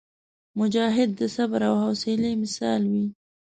مجاهد د صبر او حوصلي مثال وي.